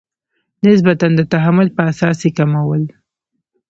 نسبتا د تحمل په اساس یې کمول.